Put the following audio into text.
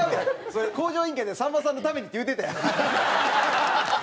それ『向上委員会』で「さんまさんのために」って言うてたやん。